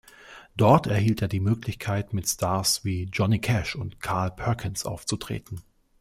Dort erhielt er die Möglichkeit mit Stars wie Johnny Cash und Carl Perkins aufzutreten.